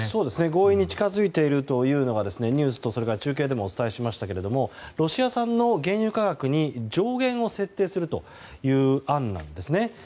合意に近づいているというのがニュースと中継でもお伝えしましたがロシア産の原油価格に上限を設定するという案なんですね。